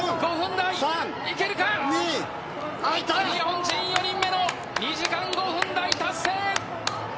日本人４人目の２時間５分台達成